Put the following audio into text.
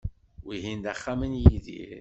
Wihin d axxam n Yidir.